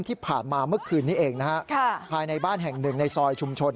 ที่ผ่านมาเมื่อคืนนี้เองนะฮะภายในบ้านแห่งหนึ่งในซอยชุมชน